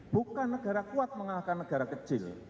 bukan negara kuat mengalahkan negara kecil